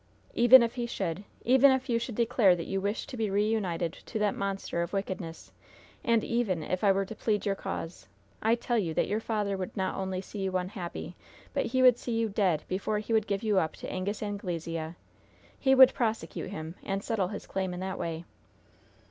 "Even if he should even if you should declare that you wished to be reunited to that monster of wickedness, and even if I were to plead your cause, I tell you that your father would not only see you unhappy, but he would see you dead, before he would give you up to Angus Anglesea! He would prosecute him, and settle his claim in that way.